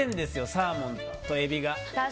サーモンとえびが。